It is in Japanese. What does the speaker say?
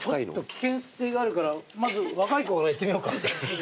危険性があるからまず若い子から行ってみようか。